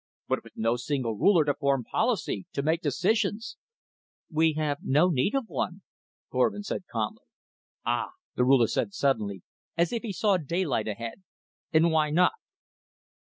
"But with no single ruler to form policy, to make decisions " "We have no need of one," Korvin said calmly. "Ah," the Ruler said suddenly, as if he saw daylight ahead. "And why not?"